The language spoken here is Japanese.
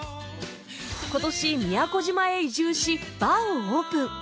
今年宮古島へ移住しバーをオープン